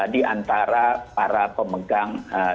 di antara para pemegang